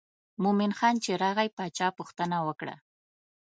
مومن خان چې راغی باچا پوښتنه وکړه.